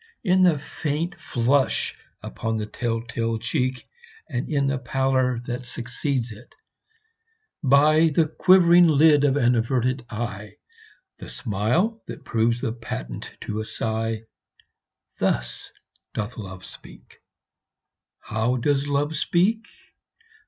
In the faint flush upon the tell tale cheek, And in the pallor that succeeds it; by The quivering lid of an averted eye The smile that proves the patent to a sigh Thus doth Love speak. How does Love speak?